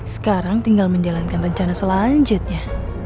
sekarang tinggal menjalankan rencana selanjutnya